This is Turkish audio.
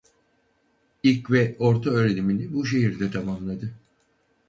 İlk ve ortaöğrenimini bu şehirde tamamladı.